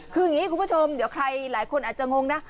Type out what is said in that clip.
คืออย่างนี้คุณผู้ชมเดี๋ยวใครหลายคนอาจจะงงนะ